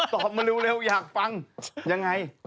ตอบมาเร็วอยากฟังยังไง